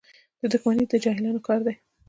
• دښمني د جاهلانو کار دی.